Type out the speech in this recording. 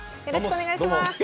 よろしくお願いします。